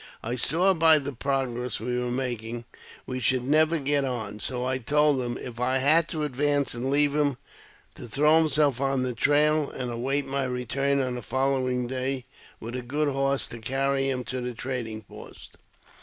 I saw, by the progress we were making, we should never get on; so I told him, if I had to advance and leave him, to throw himself in the trail, and await my return on the following day with a good horse to carry him to the trading post.